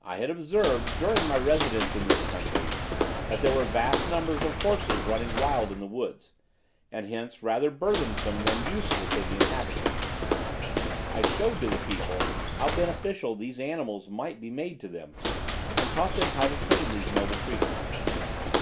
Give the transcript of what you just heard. I had observed, during my residence in this country, that there were vast numbers of horses running wild in the woods, and hence rather burthensome than useful to the inhabitants. I showed to the people how beneficial these animals might be made to them, and taught them how to tame these noble creatures.